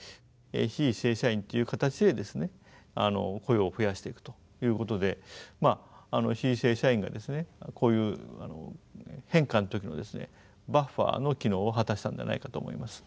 非正社員という形で雇用を増やしていくということで非正社員がこういう変化の時のバッファーの機能を果たしたんじゃないかと思います。